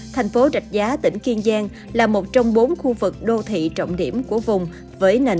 thành phố rạch giá tỉnh kiên giang là một trong bốn khu vực đô thị trọng điểm của vùng với nền